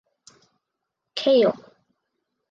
Kill.